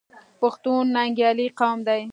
پښتون ننګیالی قوم دی.